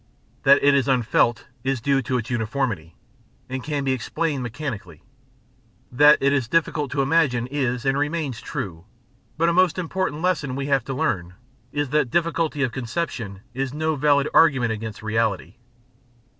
That it is unfelt is due to its uniformity, and can be explained mechanically. That it is difficult to imagine is and remains true, but a most important lesson we have to learn is that difficulty of conception is no valid argument against reality.